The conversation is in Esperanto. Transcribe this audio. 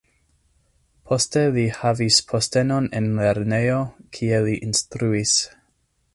Poste li havis postenon en lernejo, kie li instruis.